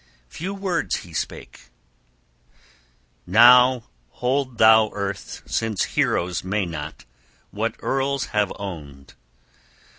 Few words he spake: "Now hold thou, earth, since heroes may not, what earls have owned!